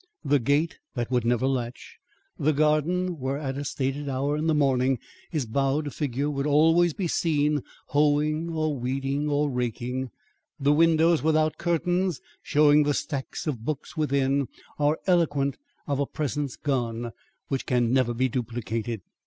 The gate that never would latch, the garden, where at a stated hour in the morning his bowed figure would always be seen hoeing or weeding or raking, the windows without curtains showing the stacks of books within, are eloquent of a presence gone, which can never be duplicated.